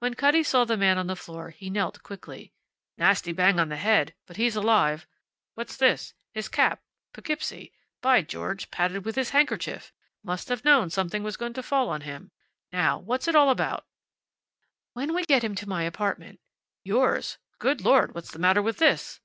When Cutty saw the man on the floor he knelt quickly. "Nasty bang on the head, but he's alive. What's this? His cap. Poughkeepsie. By George, padded with his handkerchief! Must have known something was going to fall on him. Now, what's it all about?" "When we get him to my apartment." "Yours? Good Lord, what's the matter with this?"